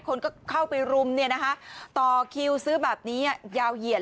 คนก็เข้าไปรุมต่อคิวซื้อแบบนี้ยาวเหยียด